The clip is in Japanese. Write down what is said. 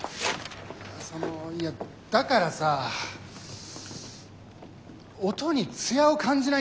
そのいやだからさ音につやを感じないんだよね。